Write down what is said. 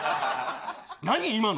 何今の。